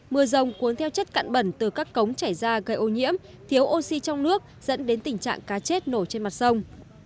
mưa rông cuốn theo chất cạn bẩn từ các cống chảy ra gây ô nhiễm thiếu oxy trong nước dẫn đến tình trạng cá chết nổi trên mặt sông